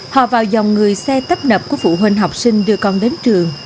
họ vào dòng người xe tấp nập của phụ huynh học sinh đưa con đến trường